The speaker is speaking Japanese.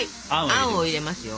あんを入れますよ。